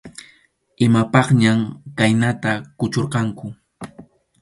Imapaqñam khaynata kuchurqanku.